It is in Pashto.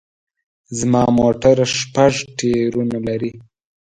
زما موټر شپږ ټیرونه لري